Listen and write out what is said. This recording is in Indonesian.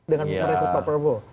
dengan merekrut pak provo